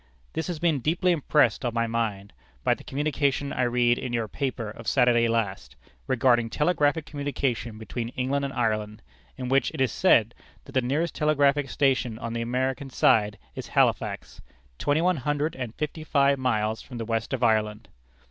This has been deeply impressed on my mind by the communication I read in your paper of Saturday last, regarding telegraphic communication between England and Ireland, in which it is said that the nearest telegraphic station on the American side is Halifax, twenty one hundred and fifty five miles from the west of Ireland.